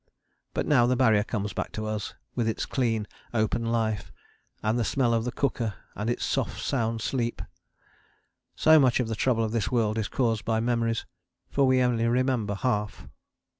But now the Barrier comes back to us, with its clean, open life, and the smell of the cooker, and its soft sound sleep. So much of the trouble of this world is caused by memories, for we only remember half.